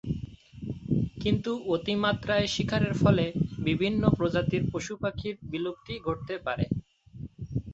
কিন্তু অতিমাত্রায় শিকারের ফলে বিভিন্ন প্রজাতির পশু-পাখির বিলুপ্তি ঘটতে পারে।